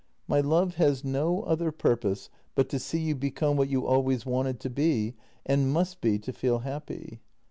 My love has no other purpose but to see you become what you always wanted to be and must be to feel happy.